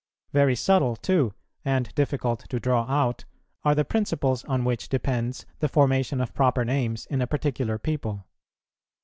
Very subtle, too, and difficult to draw out, are the principles on which depends the formation of proper names in a particular people.